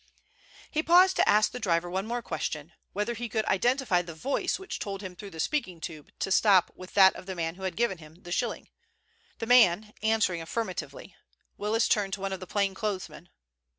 He paused to ask the driver one more question, whether he could identify the voice which told him through the speaking tube to stop with that of the man who had given him the shilling. The man answering affirmatively, Willis turned to one of the plain clothes men.